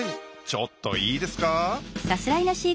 ちょっといいですか？